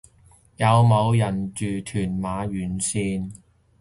有冇人住屯馬沿線